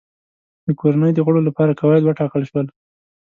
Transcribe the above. د کورنۍ د غړو لپاره قواعد وټاکل شول.